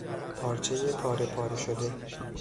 پارچهی پارهپاره شده